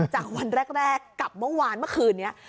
จากวันแรกกับเมื่อวานเมื่อคืนนี้